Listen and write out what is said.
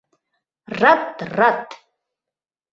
— Рат, рат!